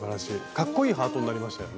かっこいいハートになりましたよね。